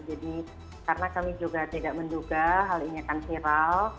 jadi karena kami juga tidak menduga hal ini akan viral